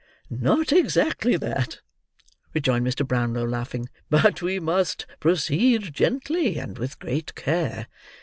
"Not exactly that," rejoined Mr. Brownlow, laughing; "but we must proceed gently and with great care."